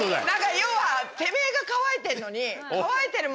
要はてめぇが乾いてんのに。